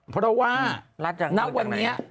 เพราะว่าณวันนี้